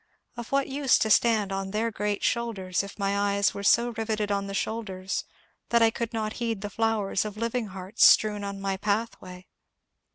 Of what use to stand on their great shoul ders if my eyes were so riveted on the shoulders that I could not heed the flowers of living hearts strewn on my pathway